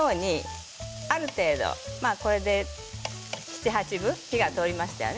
このようにある程度７、８分火が通りましたね